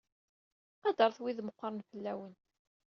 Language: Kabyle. Qadret wid meqqren fell-awen.